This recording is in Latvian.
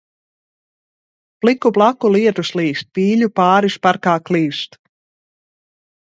Pliku plaku lietus līst, pīļu pāris parkā klīst.